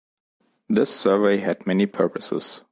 This survey had many purposes.